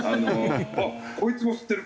あっこいつも知ってる！